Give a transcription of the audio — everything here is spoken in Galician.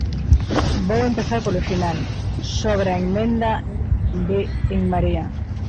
Vou empezar polo final, sobre a emenda de En Marea.